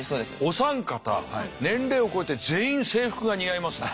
お三方年齢を超えて全員制服が似合いますね。